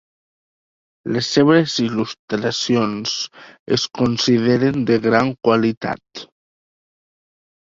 Les seves il·lustracions es consideren de gran qualitat.